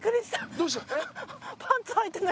どうした？